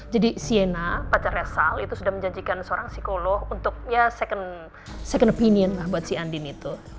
jadi sienna pacarnya sal itu sudah menjanjikan seorang psikolog untuk ya second opinion lah buat si andin itu